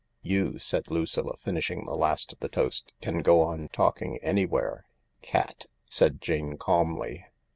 " You," said Lucilla, finishing the last of the toast, " can go on talking anywhere." " Cat !" said Jane calmly.